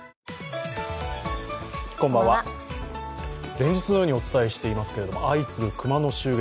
連日のようにお伝えしていますけれども相次ぐ熊の襲撃